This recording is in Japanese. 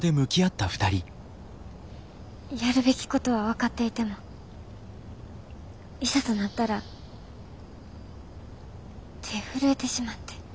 やるべきことは分かっていてもいざとなったら手震えてしまって。